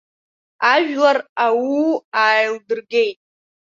Ажәлар ауу ааилдыргеит.